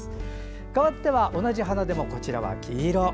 かわっては同じ花でもこちらは黄色。